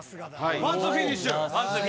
ワンツーフィニッシュだ。